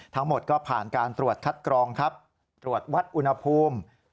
ทั้งหมดก็ผ่านการตรวจคัดกรองครับตรวจวัดอุณหภูมิ